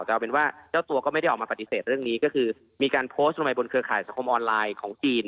แต่เอาเป็นว่าเจ้าตัวก็ไม่ได้ออกมาปฏิเสธเรื่องนี้ก็คือมีการโพสต์ลงไปบนเครือข่ายสังคมออนไลน์ของจีน